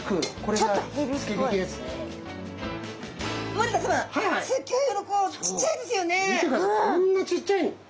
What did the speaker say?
こんなちっちゃい。